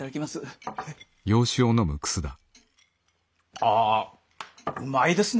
ああうまいですね